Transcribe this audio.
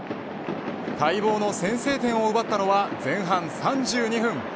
待望の先制点を奪ったのは前半３２分。